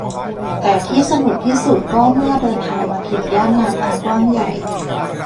แต่ที่สนุกที่สุดก็เมื่อเดินทางมาถึงย่านน้ำอันกว้างใหญ่